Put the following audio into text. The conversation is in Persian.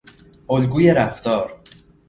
الگوی رفتار